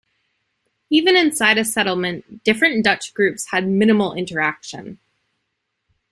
Even inside a settlement, different Dutch groups had minimal interaction.